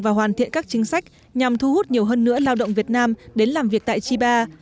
và hoàn thiện các chính sách nhằm thu hút nhiều hơn nữa lao động việt nam đến làm việc tại chiba